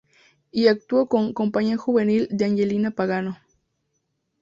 Y actuó con "Compañía juvenil de Angelina Pagano".